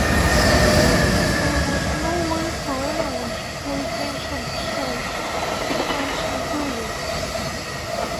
There was no way for anyone to play games on the site, Ants included.